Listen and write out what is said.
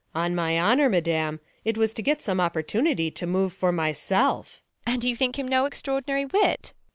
Luc. On my honour, madam, it was to get Some opportunity to move for myself. Beat. And you think him no extraordinary wit?